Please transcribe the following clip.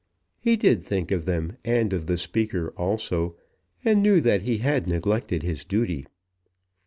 He did think of them, and of the speaker also, and knew that he had neglected his duty.